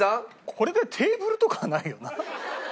これでテーブルとかはないよな？